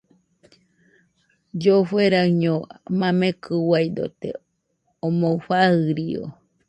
Llofueraɨño mamekɨ uiadote, omɨ farió